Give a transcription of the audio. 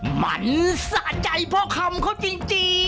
หมั่นสะใจเพราะคำเขาจริง